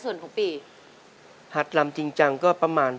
โอ้ยร้องได้หวานมาก